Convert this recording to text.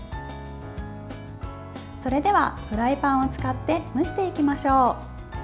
それでは、フライパンを使って蒸していきましょう。